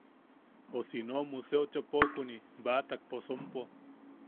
O si no Museo Chopokuni baʼatak posompo.